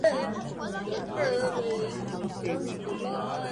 გავრცელებულია ევროპაში, ჩრდილოეთ, შუა და ნაწილობრივ წინა აზიაში, ჩრდილოეთ ამერიკაში.